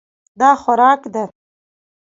دا خوراک ده.